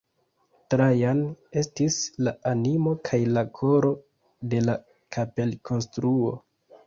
Trajan estis la animo kaj la koro de la kapelkonstruo.